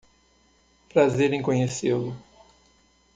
Prazer em conhecê-lo.